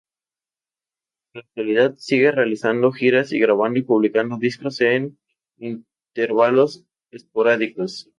En la actualidad, sigue realizando giras y grabando y publicando discos en intervalos esporádicos.